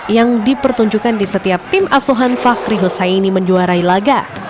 yang dipertunjukkan di setiap tim asuhan fakhri husaini menjuarai laga